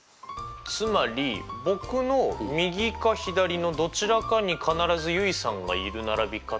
つまり僕の右か左のどちらかに必ず結衣さんがいる並び方っていうことですか？